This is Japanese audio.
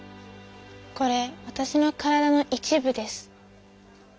これわたしの体の一部です。